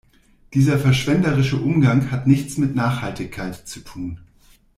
Dieser verschwenderische Umgang hat nichts mit Nachhaltigkeit zu tun.